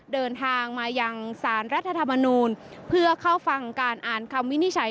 เดินทางมายังสารรัฐธรรมนูลเพื่อเข้าฟังการอ่านคำวินิจฉัย